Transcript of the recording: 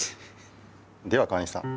では川西さん